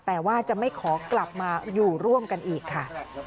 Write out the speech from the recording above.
แต่ว่าจะไม่ขอกลับมาอยู่ร่วมกันอีกค่ะ